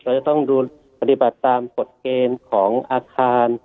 เราจะต้องดูปฏิบัติตามกฎเกณฑ์ของอาคาร